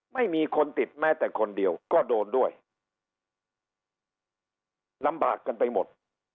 ไม่มีคนติดแม้แต่คนเดียวก็โดนด้วยลำบากกันไปหมด